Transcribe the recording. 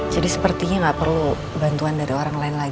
jadi sepertinya tidak perlu bantuan dari orang lain lagi